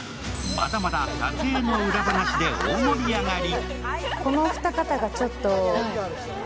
まだまだ撮影の裏話で大盛り上がり。